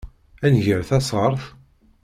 Ad nger tasɣart?